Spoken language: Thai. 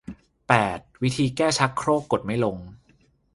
แปด วิธีแก้ชักโครกกดไม่ลง